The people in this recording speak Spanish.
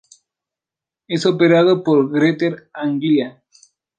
Es operado por Greater Anglia.